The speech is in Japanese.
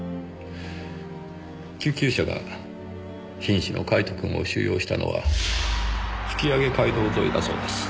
救急車が瀕死のカイトくんを収容したのは吹上街道沿いだそうです。